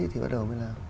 thì bắt đầu mới làm